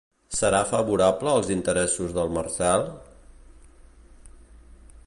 ¿Serà favorable als interessos del Marcel?